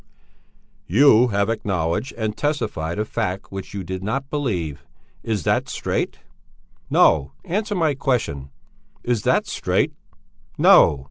"You have acknowledged and testified a fact which you did not believe. Is that straight? No, answer my question! Is that straight? No!